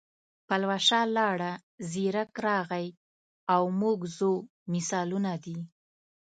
پلوشه لاړه، زیرک راغی او موږ ځو مثالونه دي.